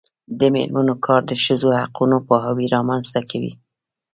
د میرمنو کار د ښځو حقونو پوهاوی رامنځته کوي.